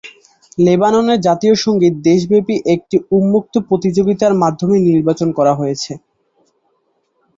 লেবাননের জাতীয় সঙ্গীত দেশব্যাপী একটি উন্মুক্ত প্রতিযোগিতার মাধ্যমে নির্বাচন করা হয়েছে।